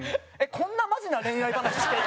こんなマジな恋愛話していい？